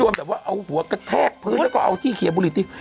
ไม่แหลอะไม่รู้